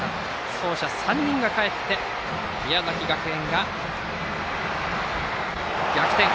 走者３人がかえって宮崎学園が逆転。